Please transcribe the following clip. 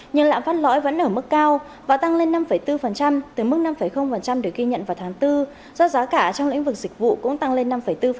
nhưng lạm phát lõi vẫn ở mức cao và tăng lên năm bốn từ mức năm được ghi nhận vào tháng bốn do giá cả trong lĩnh vực dịch vụ cũng tăng lên năm bốn